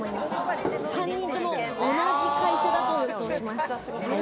３人とも同じ会社だと予想します。